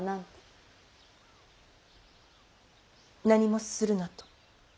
何もするなと。